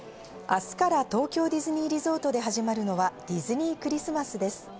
明日から東京ディズニーリゾートで始まるのはディズニー・クリスマスです。